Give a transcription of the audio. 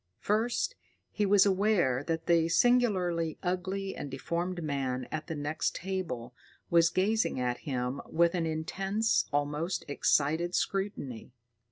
First, he was aware that the singularly ugly and deformed man at the next table was gazing at him with an intense, almost excited scrutiny.